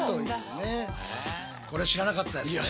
これ知らなかったですね。